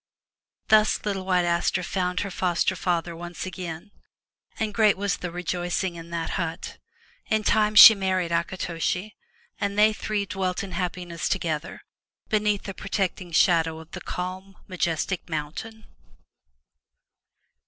Thus little White Aster found her foster father once again, and great was the rejoicing in that hut. In time she married Akitoshi, and they three dwelt in happiness together, beneath the protecting shadow of the calm, majestic mountain.